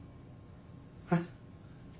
えっ？